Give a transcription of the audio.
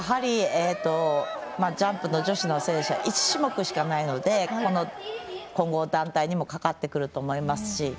ジャンプの女子の選手は１種目しかないので混合団体にもかかってくると思いますし。